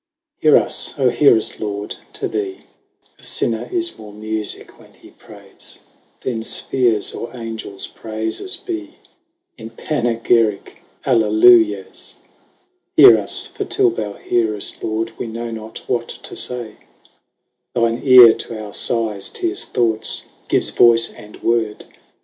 Heare us, O heare us Lord ; to thee A (inner is more mufique, when he prayes, 200 Then fpheares, or Angels praifes bee, In Panegyrique Allelujaes; Heare us, for till thou heare us, Lord We know not what to fay ; Thine eare to'our fighes, teares, thoughts gives voice and word.